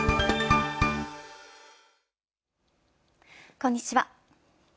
こんにちは。